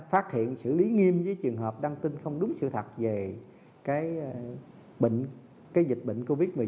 phát hiện xử lý nghiêm với trường hợp đăng tin không đúng sự thật về cái dịch bệnh covid một mươi chín